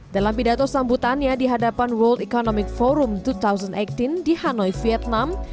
dalam pidato sambutannya di hadapan world economic forum dua ribu delapan belas di hanoi vietnam